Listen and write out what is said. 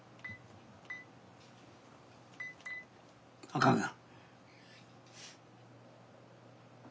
あかんな。